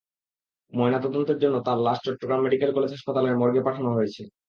ময়নাতদন্তের জন্য তাঁর লাশ চট্টগ্রাম মেডিকেল কলেজ হাসপাতালের মর্গে পাঠানো হয়েছে।